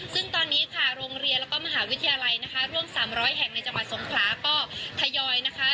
ซึ่งตอนนี้ค่ะโรงเรียนแล้วก็มหาวิทยาลัยนะคะร่วม๓๐๐แห่งในจังหวัดสงขลาก็ทยอยนะคะ